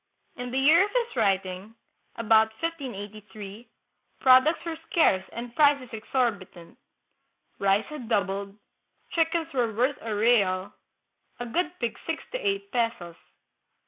In the year of his writing (about 1583), products were scarce and prices exorbitant. Rice had doubled, chickens were worth a real, a good pig six to eight pesos.